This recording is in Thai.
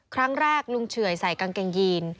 ครั้งแรกลุงเฉยใส่กางเกงยีน